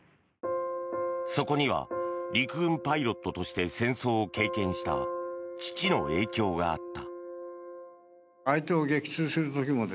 そこには陸軍パイロットとして戦争を経験した父の影響があった。